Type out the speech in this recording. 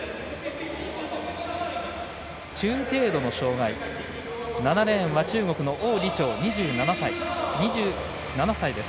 中程度の障がい７レーンは中国の王李超、２７歳です。